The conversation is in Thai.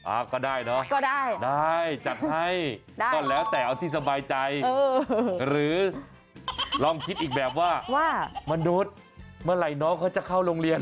ก็ได้เนอะก็ได้ได้จัดให้ได้ก็แล้วแต่เอาที่สบายใจหรือลองคิดอีกแบบว่าว่ามนุษย์เมื่อไหร่น้องเขาจะเข้าโรงเรียน